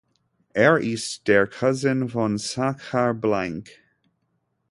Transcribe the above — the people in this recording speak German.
Er ist der Cousin von Sachar Blank.